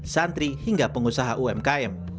santri hingga pengusaha umkm